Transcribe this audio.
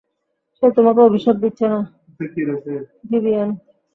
সে তোমাকে অভিশাপ দিচ্ছে না, ভিভিয়ান।